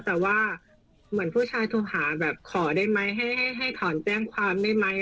แต่ว่าเหมือนผู้ชายโทรหาแบบขอได้ไหมให้ถอนแจ้งความได้ไหม